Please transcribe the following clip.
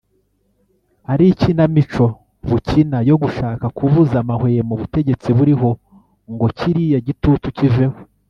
ari ikinamico bukina yo gushaka kubuza amahwemo ubutegetsi buriho ngo kiriya gitutu kiveho